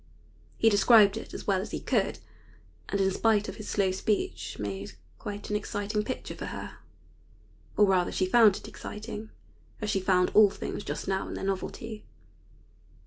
He described it as well as he could, and in spite of his slow speech made quite an exciting picture for her; or rather she found it exciting, as she found all things just now in their novelty.